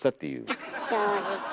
あっ正直な。